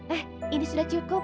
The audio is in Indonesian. eh ini sudah cukup